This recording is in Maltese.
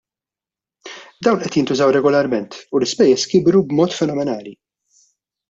Dawn qed jintużaw regolarment u l-ispejjeż kibru b'mod fenomenali.